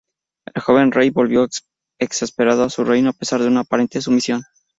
El joven rey volvió exasperado a su reino, a pesar de una aparente sumisión.